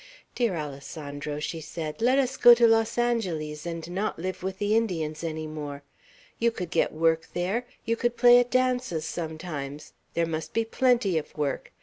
"Dear Alessandro," she said, "let us go to Los Angeles, and not live with the Indians any more. You could get work there. You could play at dances sometimes; there must be plenty of work.